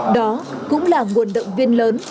đó cũng là nguồn động viên lớn